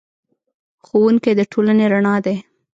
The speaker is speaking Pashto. ښوونکی د ټولنې رڼا دی.